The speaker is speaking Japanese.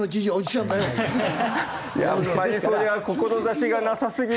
やっぱりそれは志がなさすぎる。